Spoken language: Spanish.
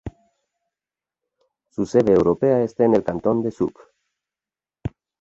Su sede europea está en el cantón de Zug.